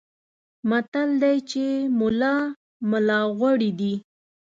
متل دی چې ملا ملا غوړي دي.